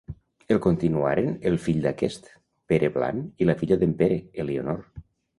El continuaren el fill d'aquest, Pere Blan, i la filla d'en Pere, Elionor.